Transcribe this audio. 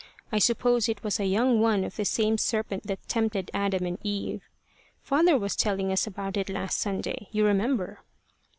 I suppose it was a young one of the same serpent that tempted Adam and Eve. Father was telling us about it last Sunday, you remember."